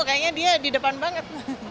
kayaknya dia di depan banget